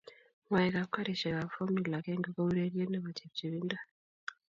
Ng'waekab karishekab fomula agenge ko urerieet nebo chepchepindo